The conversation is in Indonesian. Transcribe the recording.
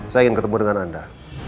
saya ingin ketemu dengan anda